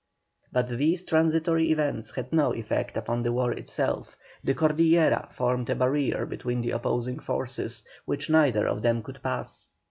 But these transitory events had no effect upon the war itself, the Cordillera formed a barrier between the opposing forces which neither of them could pass.